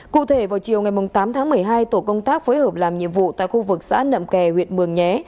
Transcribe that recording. cụ thể vào chiều ngày tám tháng một mươi hai tổ công tác phối hợp làm nhiệm vụ tại khu vực xã nậm kè huyện mường nhé